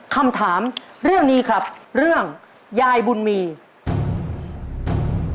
คำถามเรื่องนี้ครับเรื่องยายบุญมี